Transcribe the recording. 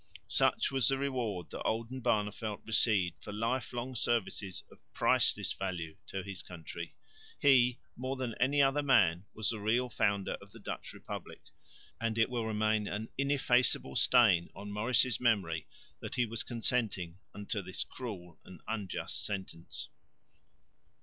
Such was the reward that Oldenbarneveldt received for life long services of priceless value to his country. He more than any other man was the real founder of the Dutch Republic; and it will remain an ineffaceable stain on Maurice's memory that he was consenting unto this cruel and unjust sentence.